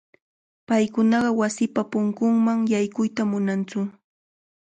Paykunaqa wasipa punkunman yarquyta munantsu.